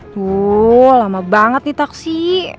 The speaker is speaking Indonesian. wuh lama banget nih taksi